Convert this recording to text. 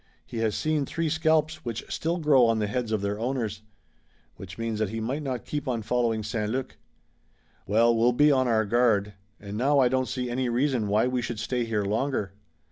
He has seen three scalps which still grow on the heads of their owners." "Which means that he might not keep on following St. Luc. Well, we'll be on our guard and now I don't see any reason why we should stay here longer."